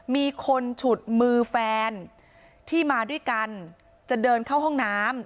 มีคนฉุดมือแฟนที่มาด้วยกันจะเดินเข้าห้องน้ำ